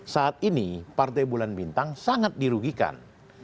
saat ini partai bulan bintang sangat dirugikan